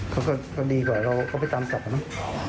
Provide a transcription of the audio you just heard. เขาก็ดีกว่าเราเขาไปตามกันเนอะ